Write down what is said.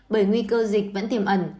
bởi nguy cơ dịch vẫn tiềm ẩn